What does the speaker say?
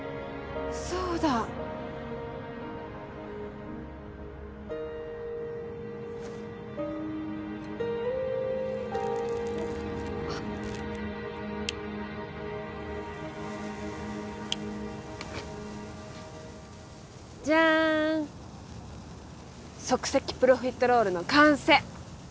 そうだじゃーん即席プロフィットロールの完成！